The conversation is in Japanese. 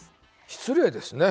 失礼ですね。